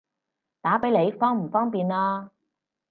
打畀你方唔方便啊？